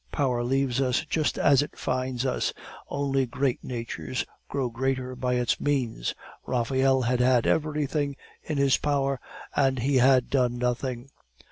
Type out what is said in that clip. Power leaves us just as it finds us; only great natures grow greater by its means. Raphael had had everything in his power, and he had done nothing.